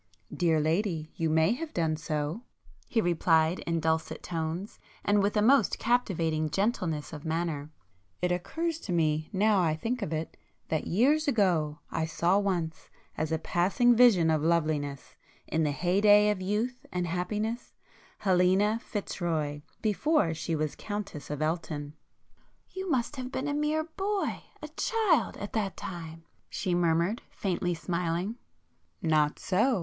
"Dear lady, you may have done so"—he replied in dulcet tones and with a most captivating gentleness of manner—"It occurs to me, now I think of it, that years ago, I saw once, as a passing vision of loveliness, in the hey day of youth and happiness, Helena Fitzroy, before she was Countess of Elton." "You must have been a mere boy—a child,—at that time!" she murmured faintly smiling. "Not so!